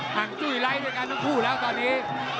ห่างจุ้ยไร้ด้วยกันทั้งคู่แล้วตอนนี้